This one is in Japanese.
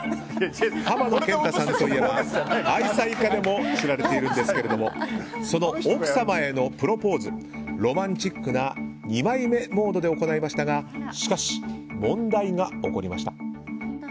浜野謙太さんといえば愛妻家でも知られているんですがその奥様へのプロポーズロマンチックな二枚目モードで行いましたがしかし、問題が起こりました。